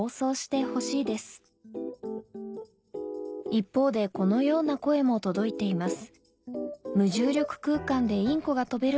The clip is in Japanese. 一方でこのような声も届いています